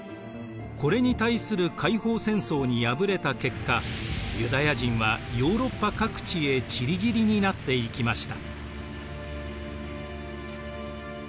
これに対する解放戦争に敗れた結果ユダヤ人はヨーロッパ各地へちりぢりになっていきました。